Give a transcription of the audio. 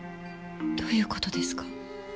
どういうことですか？